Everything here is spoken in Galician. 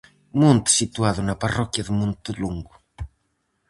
Monte situado na parroquia de Monte Longo.